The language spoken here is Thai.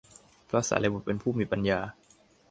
พระสารีบุตร เป็นผู้มีปัญญา